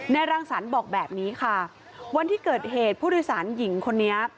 รังสรรค์บอกแบบนี้ค่ะวันที่เกิดเหตุผู้โดยสารหญิงคนนี้